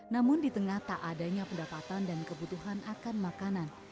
namun di tengah tak adanya pendapatan dan kebutuhan akan makanan